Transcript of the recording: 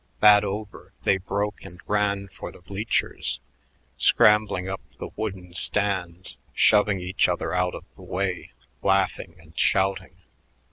That over, they broke and ran for the bleachers, scrambling up the wooden stands, shoving each other out of the way, laughing and shouting.